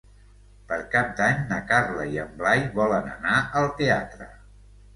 Per Cap d'Any na Carla i en Blai volen anar al teatre.